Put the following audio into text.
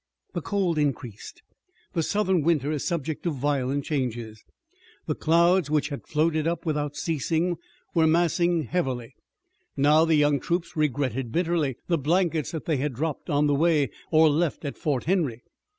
The cold increased. The Southern winter is subject to violent changes. The clouds which had floated up without ceasing were massing heavily. Now the young troops regretted bitterly the blankets that they had dropped on the way or left at Fort Henry.